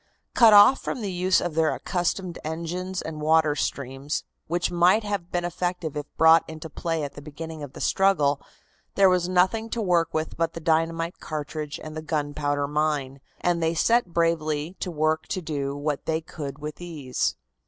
Cut off from the use of their accustomed engines and water streams, which might have been effective if brought into play at the beginning of the struggle, there was nothing to work with but the dynamite cartridge and the gunpowder mine, and they set bravely to work to do what they could with these.